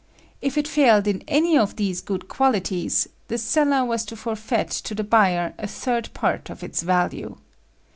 If it failed in any of these good qualities, the seller was to forfeit to the buyer a third part of its value.